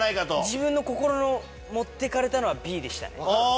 自分の心の持ってかれたのはＢでしたね。